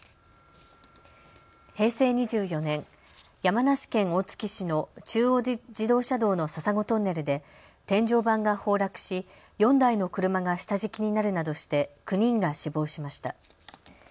平成２４年、山梨県大月市の中央自動車道の笹子トンネルで天井板が崩落し４台の車が下敷きになるなどして９人が死亡しました。